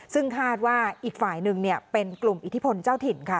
ซึ่งคาดว่าอีกฝ่ายหนึ่งเป็นกลุ่มอิทธิพลเจ้าถิ่นค่ะ